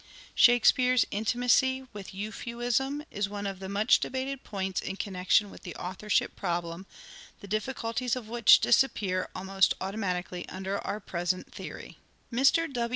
Shakespeare's intimacy with Euphuism is one of the much debated points in connection with the authorship problem, the difficulties of which disappear almost automatically under our present theory. Mr.